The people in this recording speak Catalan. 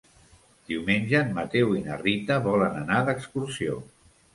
Diumenge en Mateu i na Rita volen anar d'excursió.